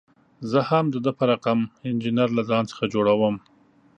زه هم د ده په رقم انجینر له ځان څخه جوړوم.